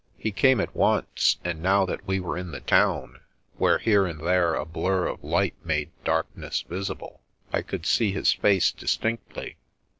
He came at once, and now that we were in the town, where here and there a blur of light made darkness visible, I could see his face distinctly.